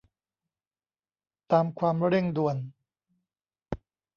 ตามความเร่งด่วน